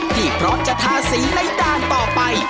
ที่พร้อมจะทาสีในด่านต่อไป